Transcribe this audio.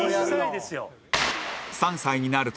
３歳になると